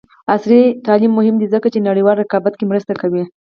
عصري تعلیم مهم دی ځکه چې نړیوال رقابت کې مرسته کوي.